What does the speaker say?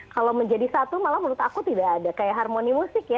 kalau menjadi satu malah menurut aku tidak ada kayak harmoni musik ya